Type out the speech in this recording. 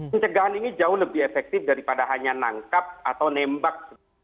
pencegahan ini jauh lebih efektif daripada hanya nangkap atau nembak